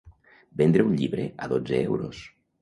Vendre un llibre a dotze euros.